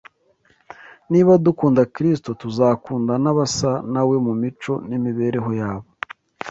Niba dukunda Kristo, tuzakunda n’abasa na We mu mico n’imibereho yabo